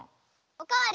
おかわり？